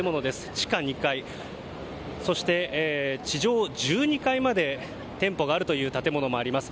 地下２階、そして地上１２階まで店舗があるという建物もあります。